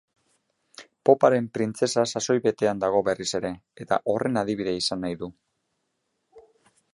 Poparen printzesa sasoi betean dago berriz ere eta horren adibide izan nahi du.